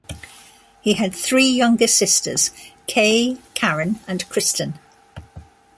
He had three younger sisters, Kay, Karen and Kristen.